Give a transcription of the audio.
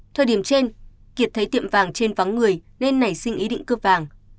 thời điểm trên kiệt thấy tiệm vàng trên vắng người nên nảy sinh ý định cướp vàng